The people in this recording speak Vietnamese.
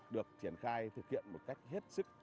được triển khai thực hiện một cách hết sức